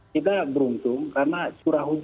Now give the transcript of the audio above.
kita beruntung karena curah hujan